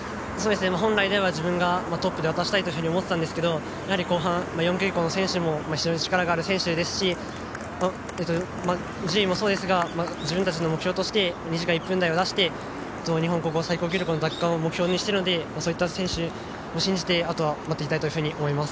本来なら自分がトップで渡したいと思っていたんですけど後半、４区以降の選手も非常に力のある選手ですし順位もそうですが自分たちの目標で２時間１分台を出して日本高校最高記録の奪還を目標にしているので選手を信じてあとは待っていたいと思います。